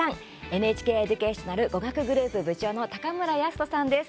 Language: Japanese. ＮＨＫエデュケーショナル語学グループ部長の高村泰斗さんです。